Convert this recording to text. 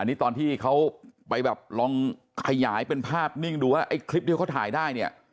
อันนี้ตอนที่เขาไปแบบลองขยายเป็นภาพนิ่งดูว่าไอ้คลิปที่เขาถ่ายได้เนี่ย